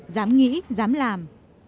dám nghĩ dám làm